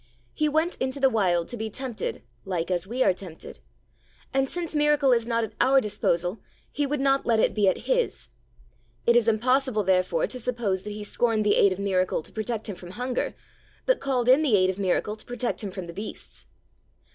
He went into the Wild to be tempted 'like as we are tempted'; and since miracle is not at our disposal He would not let it be at His. It is impossible, therefore, to suppose that He scorned the aid of miracle to protect Him from hunger, but called in the aid of miracle to protect Him from the beasts.